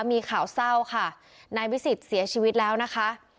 มีข่าวเศร้าค่ะนายวิสิทธิ์เสียชีวิตแล้วนะคะ